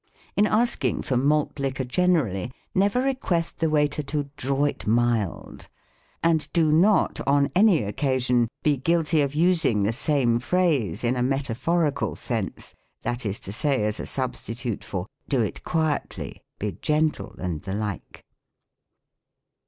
In asking for malt liquor generally, never request the waiter to " draw it mild ;" and do not, on any oc casion, be guilty of using the same phrase in a meta phorical sense, that is to say, as a substitute for " Do it quietly," " Be gentle," and the like.